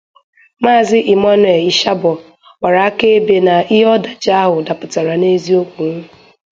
Maazị Emmanuel Ishabor gbàrà akaebe na ihe ọdachi ahụ`dapụtara n'eziokwu